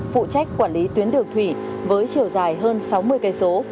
phụ trách quản lý tuyến đường thủy với chiều dài hơn sáu mươi km